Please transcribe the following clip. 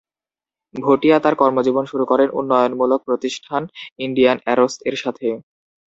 ভূটিয়া তার কর্মজীবন শুরু করেন উন্নয়নমূলক প্রতিষ্ঠান ইন্ডিয়ান অ্যারোস এর সাথে।